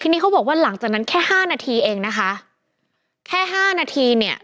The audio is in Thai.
ทีนี้เขาบอกว่าหลังจากนั้นแค่ห้านาทีเองนะคะแค่ห้านาทีเนี่ย